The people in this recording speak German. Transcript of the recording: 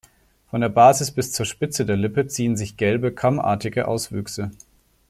Von der Basis bis zur Spitze der Lippe ziehen sich gelbe, kammartige Auswüchse.